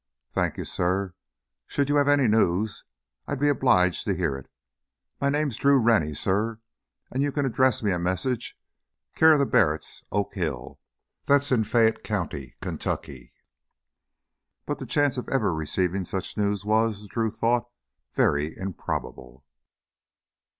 "Thank you, suh. Should you have any news, I'd be obliged to hear it. My name's Drew Rennie, suh, and you can address a message care of the Barrett's, Oak Hill. That's in Fayette County, Kentucky." But the chance of ever receiving any such news was, Drew thought, very improbable.